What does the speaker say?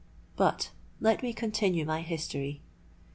But let me continue my history.